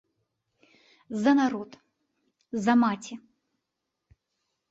За народ, за маці.